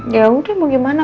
ya udah mau gimana